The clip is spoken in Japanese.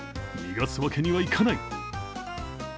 逃がすわけにはいかない。